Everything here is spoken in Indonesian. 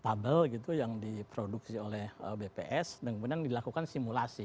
tabel gitu yang diproduksi oleh bps dan kemudian dilakukan simulasi